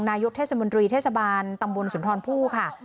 นายกเทศมนตรีเทศบาลตำบลสุนทรผู้ค่ะ